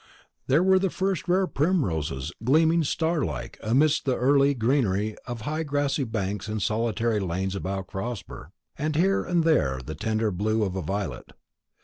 There were the first rare primroses gleaming star like amidst the early greenery of high grassy banks in solitary lanes about Crosber, and here and there the tender blue of a violet.